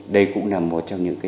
đây cũng là một trong những cái